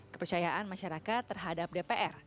kepercayaan masyarakat terhadap dpr